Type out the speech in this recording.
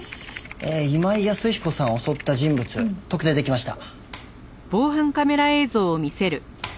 今井安彦さんを襲った人物特定できました。